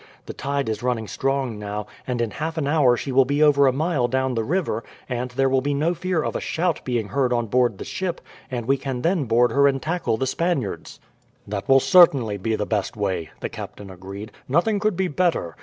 The tide is running strong now, and in half an hour she will be over a mile down the river, and there will be no fear of a shout being heard on board the ship, and we can then board her and tackle the Spaniards." "That will certainly be the best way," the captain agreed. "Nothing could be better.